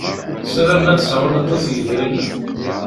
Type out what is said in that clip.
Saramen ad sɛun aṭas n yedrimen.